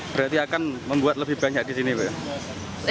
berarti akan membuat lebih banyak di sini pak